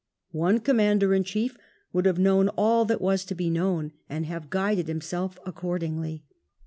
One Commander in Chief would have known all that was to be known, and have guided himself accordingly.